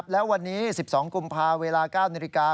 และวันนี้๑๒กุมภาเวลา๙นาฬิกา